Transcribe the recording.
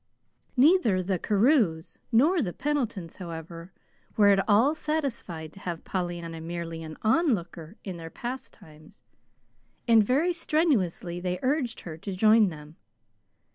Neither the Carews nor the Pendletons, however, were at all satisfied to have Pollyanna merely an onlooker in their pastimes, and very strenuously they urged her to join them.